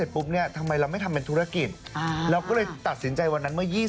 เพราะว่าเราค่าขายโอนก็รู้อยู่ทำร้านอาหาร